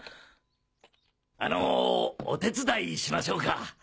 あのお手伝いしましょうか？